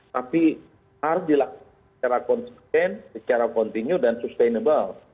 tapi harus dilakukan secara konsisten secara kontinu dan sustainable